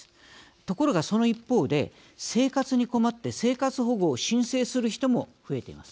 ところがその一方で生活に困って生活保護を申請する人も増えています。